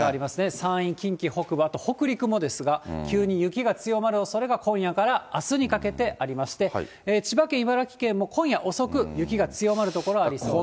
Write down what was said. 山陰、近畿、あと北陸もですが、急に雪が強まるおそれが今夜からあすにかけてありまして、千葉県、茨城県も今夜遅く、雪が強まる所、ありそうです。